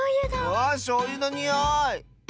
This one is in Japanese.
わあしょうゆのにおい！